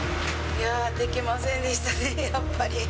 いや、できませんでしたね、やっぱり。